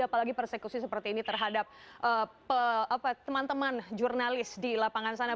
apalagi persekusi seperti ini terhadap teman teman jurnalis di lapangan sana